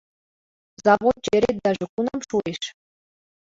— Завод черетдаже кунам шуэш?